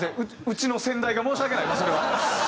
うちの先代が申し訳ないですそれは。